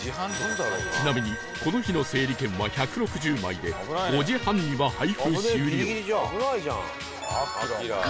ちなみにこの日の整理券は１６０枚で５時半には配布終了